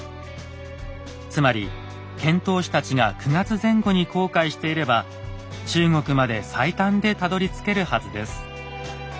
つまり遣唐使たちが９月前後に航海していれば中国まで最短でたどりつけるはずです。